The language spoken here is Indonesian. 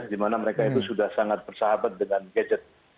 dimana mereka itu sudah sangat bersahabat dengan gadget